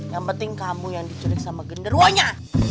yang penting kamu yang diculik sama genderuanya